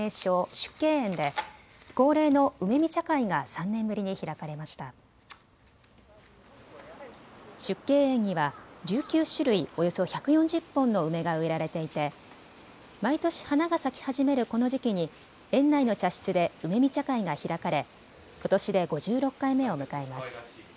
縮景園には１９種類およそ１４０本の梅が植えられていて毎年、花が咲き始めるこの時期に園内の茶室で梅見茶会が開かれことしで５６回目を迎えます。